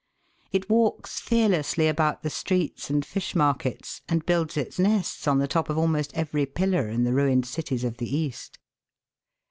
It walks DOMESTIC SCAVENGERS. 243 fearlessly about the streets and fish markets, and builds its nests on the top of almost every pillar in the ruined cities of the East.